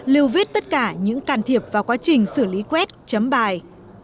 lưu vết tất cả những can thiệp vào quá trình xử lý quét chấm bài